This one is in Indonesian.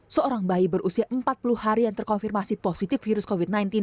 seorang bayi berusia empat puluh hari yang terkonfirmasi positif virus covid sembilan belas